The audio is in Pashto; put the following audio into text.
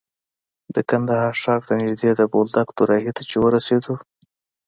د کندهار ښار ته نژدې د بولدک دوراهي ته چې ورسېدو.